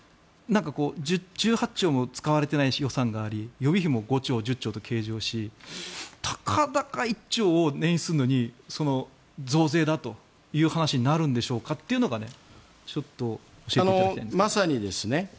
１８兆も使われていない予算があり予備費も５兆、１０兆と計上したかだか１兆を捻出するのに増税だという話になるんでしょうかというのがちょっと教えていただきたいんですが。